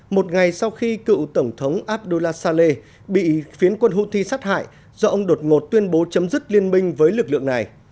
một ngày sau khi cựu tổng thống abdullah sale bị phiến quân houthi sát hại do ông đột ngột tuyên bố chấm dứt liên minh với lực lượng này